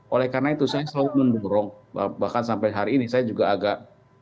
oleh karena itu saya selalu mendorong bahkan sampai hari ini saya juga agak